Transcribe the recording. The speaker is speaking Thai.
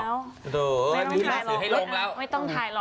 ไม่ต้องถ่ายหรอกไม่ต้องถ่ายหรอก